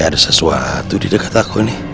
ada sesuatu di dekat aku nih